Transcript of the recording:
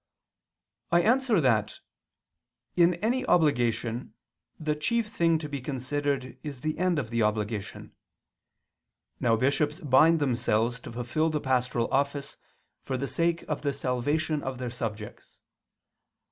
I answer that, In any obligation the chief thing to be considered is the end of the obligation. Now bishops bind themselves to fulfil the pastoral office for the sake of the salvation of their subjects.